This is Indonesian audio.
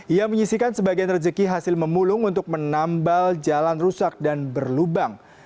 ia menyisikan sebagian rezeki hasil memulung untuk menambal jalan rusak dan berlubang